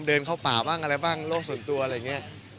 เดินเข้าป่าบ้างอะไรบ้างโลกส่วนตัวอะไรอย่างนี้